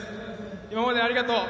今までありがとう！